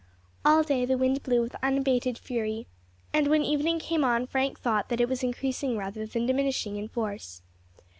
All day the wind blew with unabated fury, and when evening came on Frank thought that it was increasing rather than diminishing in force.